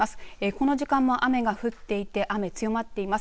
この時間も雨が降っていて雨、強まっています。